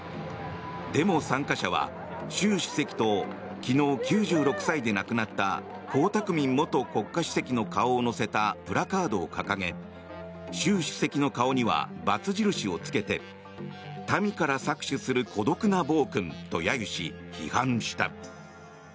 デモ参加者は習主席と昨日、９６歳で亡くなった江沢民元国家主席の顔を載せたプラカードを掲げ習主席の顔にはバツ印をつけて民から搾取する孤独な暴君と揶揄し批判した。